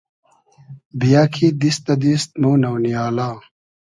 بییۂ کی دیست دۂ دیست مۉ نۆ نییالا